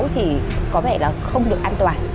thì có vẻ là không được an toàn